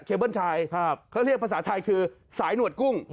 เขาเรียกภาษาไทยคือสายหนวดกุ้ง